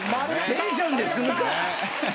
テンションで済むか！